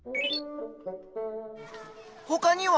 ほかには？